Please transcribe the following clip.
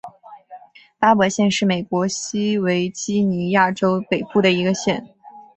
巴伯县是美国西维吉尼亚州北部的一个县。